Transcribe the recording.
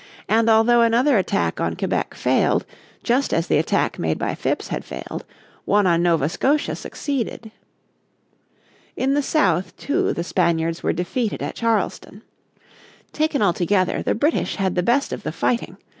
And although another attack on Quebec failed, just as the attack made by Phips had failed, one on Nova Scotia succeeded. In the South, too, the Spaniards were defeated at Charleston. Taken altogether the British had the best of the fighting.